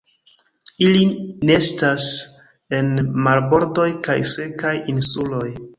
Ili nestas en marbordoj kaj sekaj insuloj.